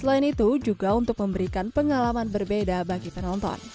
selain itu juga untuk memberikan pengalaman berbeda bagi penonton